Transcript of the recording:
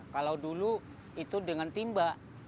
kalau dulu itu dengan timba